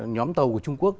nhóm tàu của trung quốc